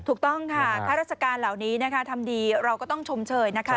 ถูกต้องค่ะข้าราชการเหล่านี้นะคะทำดีเราก็ต้องชมเชยนะคะ